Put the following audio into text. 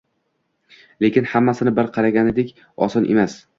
lekin hammasi bir qaragandagidek oson emas.